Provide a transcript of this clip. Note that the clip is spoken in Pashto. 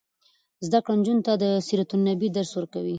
زده کړه نجونو ته د سیرت النبي درس ورکوي.